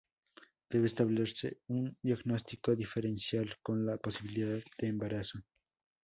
Debe establecerse un buen diagnóstico diferencial con la posibilidad de embarazo.